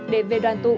để về đoàn tụ